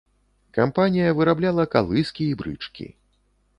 Кампанія вырабляла калыскі і брычкі.